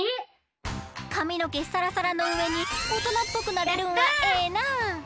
かみのけサラサラのうえにおとなっぽくなれるんはええな。